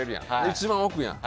一番奥やん。